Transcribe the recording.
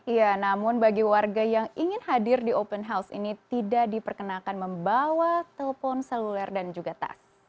ya namun bagi warga yang ingin hadir di open house ini tidak diperkenalkan membawa telpon seluler dan juga tas